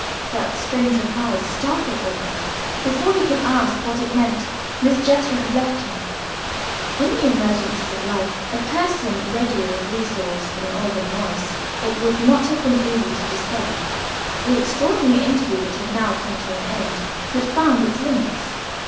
That strange reply startled Alban. Before he could ask what it meant, Miss Jethro had left him. In the emergencies of life, a person readier of resource than Alban Morris it would not have been easy to discover. The extraordinary interview that had now come to an end had found its limits.